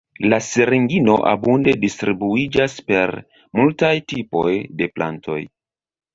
La siringino abunde distribuiĝas per multaj tipoj de plantoj.